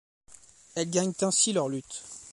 Elles gagnent ainsi leur lutte.